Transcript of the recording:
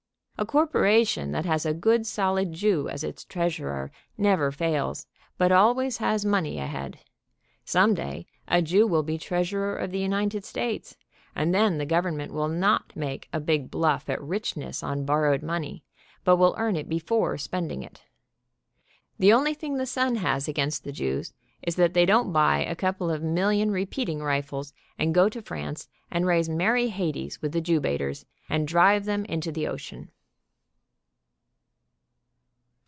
A corporation that has a good solid Jew as it's treasurer, never fails, but always has money ahead. Some day a Jew will be treasurer of the United States, and then the government will not make a big bluff at richness on borrowed money, but will earn it before spending it. The only thing The Sun has against the Jews is that they don't buy a couple of million repeating rifles and go to France and raise merry hades with the Jew baiters, and drive them into the ocean.